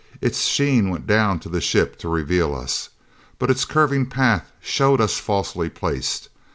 Its sheen went down to the ship to reveal us. But its curving path showed us falsely placed.